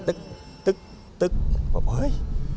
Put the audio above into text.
ตุ๊กสิ